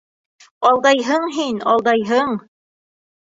— Алдайһың һин, алдайһың.